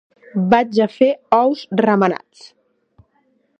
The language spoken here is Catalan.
Vaig a fer ous remenats.